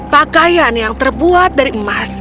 pakaian yang terbuat dari emas